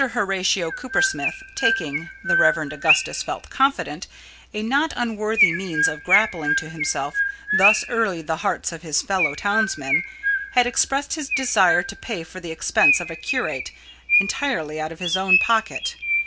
Horatio Cooper Smith, taking the Rev. Augustus felt confident a not unworthy means of grappling to himself thus early the hearts of his fellow townsmen, had expressed his desire to pay for the expense of a curate entirely out of his own pocket.